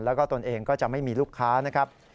แล้วก็ตนเองก็จะไม่มีลูกค้านะครับ